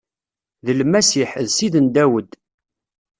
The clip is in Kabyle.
D Lmasiḥ, d Ssid n Dawed.